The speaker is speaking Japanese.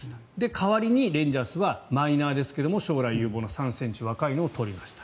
代わりにレンジャーズはマイナーですが将来有望な３選手を若いのを取りました。